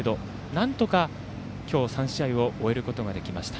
なんとか、今日３試合を終えることができました。